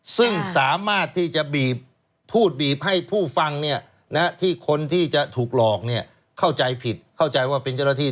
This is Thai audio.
ซึ่งสามารถที่จะบีบพูดบีบให้ผู้ฟังที่คนที่จะถูกหลอกเข้าใจผิดเข้าใจว่าเป็นเจ้าหน้าที่